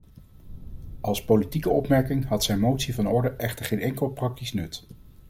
Als politieke opmerking had zijn motie van orde echter geen enkel praktisch nut.